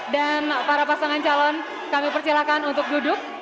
dan para pasangan calon kami persilahkan untuk duduk